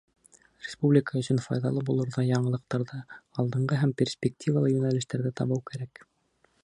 Республика өсөн файҙалы булырҙай яңылыҡтарҙы, алдынғы һәм перспективалы йүнәлештәрҙе табыу кәрәк.